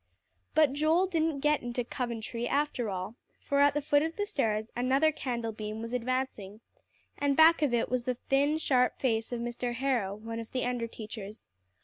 But Joel didn't get into "Coventry" after all, for at the foot of the stairs, another candle beam was advancing; and back of it was the thin, sharp face of Mr. Harrow, one of the under teachers.